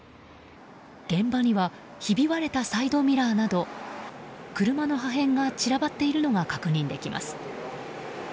現場にはひび割れたサイドミラーなど車の破片が散らばっているのが確認できます。